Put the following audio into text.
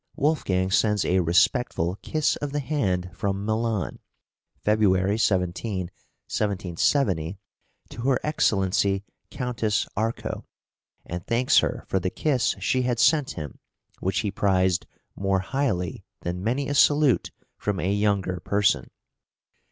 Wolfgang sends a respectful kiss of the hand from Milan (February 17, 1770) to her Excellency Countess Arco, and thanks her for the kiss she had sent him, which he prized more highly than many a salute from a younger person.